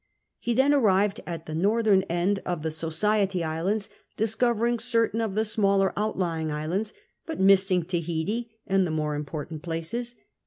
He then arrived at the northern end of the Society Islands, discovering certain of the smaller out lying islands, but missing Tahiti and the more im portant places.